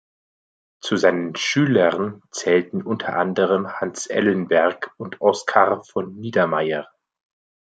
Zu seinen Schülern zählten unter anderem Hans Ellenberg und Oskar von Niedermayer.